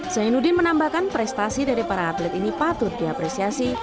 zainuddin menambahkan prestasi dari para atlet ini patut diapresiasi